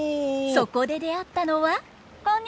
そこで出会ったのは。